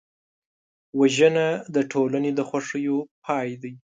وژنه د ټولنې د خوښیو پای دی